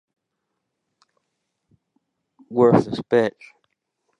The nonadoption of the Mercator Projection of the world map biases thought.